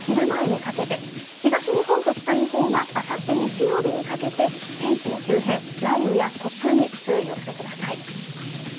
西日本はあすの昼前にかけて東日本と北日本はあさって日曜日にかけて天気の急変、雷雨や突風に注意をしてください。